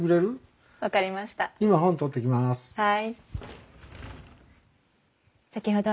はい。